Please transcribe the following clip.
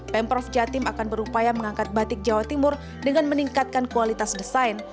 pemprov jatim akan berupaya mengangkat batik jawa timur dengan meningkatkan kualitas desain